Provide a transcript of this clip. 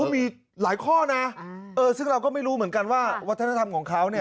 มีหลายข้อนะซึ่งเราก็ไม่รู้เหมือนกันว่าวัฒนธรรมของเขาเนี่ย